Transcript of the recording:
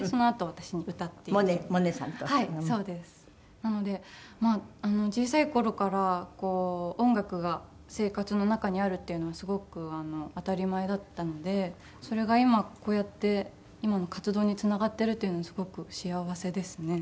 なので小さい頃から音楽が生活の中にあるっていうのはすごく当たり前だったのでそれが今こうやって今の活動につながっているっていうのすごく幸せですね。